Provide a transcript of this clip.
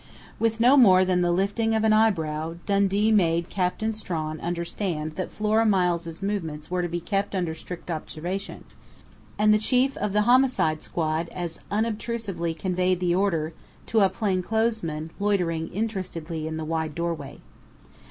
With no more than the lifting of an eyebrow, Dundee made Captain Strawn understand that Flora Miles' movements were to be kept under strict observation, and the chief of the Homicide Squad as unobtrusively conveyed the order to a plainclothesman loitering interestedly in the wide doorway.